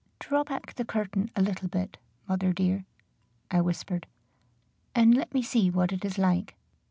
"Draw back the curtain a little bit, mother dear," I whispered, "and let me see what it is like."